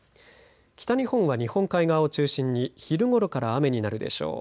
北日本は日本海側を中心に昼ごろから雨になるでしょう。